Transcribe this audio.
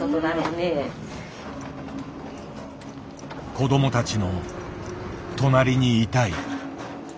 子どもたちの隣にいたい。